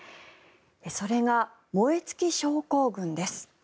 それが燃え尽き症候群です。